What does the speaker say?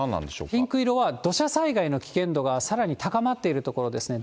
ピンク色は土砂災害の危険度がさらに高まっている所ですね。